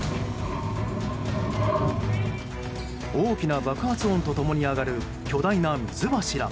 大きな爆発音と共に上がる巨大な水柱。